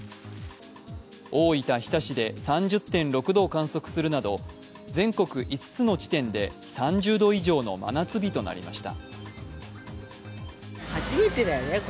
大分・日田市で３０．６度を観測するなど全国５つの地点で全国５つの地点で３０度以上の真夏日となりました。